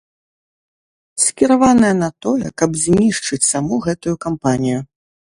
Скіраваная на тое, каб знішчыць саму гэтую кампанію.